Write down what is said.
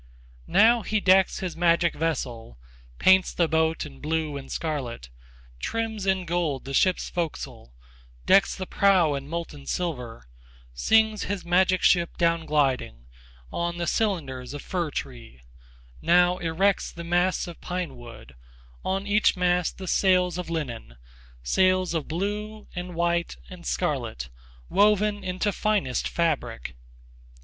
..... Now he decks his magic vessel, Paints the boat in blue and scarlet, Trims in gold the ship's forecastle, Decks the prow in molten silver; Sings his magic ship down gliding, On the cylinders of fir tree; Now erects the masts of pine wood, On each mast the sails of linen, Sails of blue, and white, and scarlet, Woven into finest fabric.